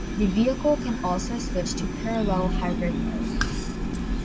The vehicle can also switch to parallel hybrid mode.